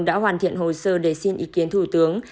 đã hoàn thiện hồ sơ để xin ý kiến thủ tướng